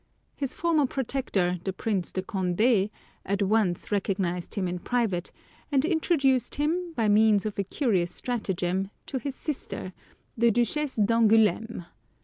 His former protector, the Prince de Condé, at once recognized him in private, and introduced him, by means of a curious stratagem, to his sister, the Duchess d'Angoulême.